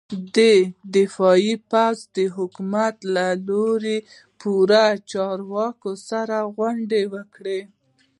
د دفاع پوځ د حکومت له لوړ پوړو چارواکو سره غونډه وکړه.